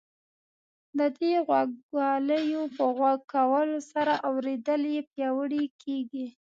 د دې غوږوالیو په غوږ کولو سره اورېدل یې پیاوړي کیږي.